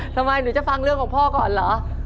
หนูจะฟังเรื่องของพ่อก่อนเหรอ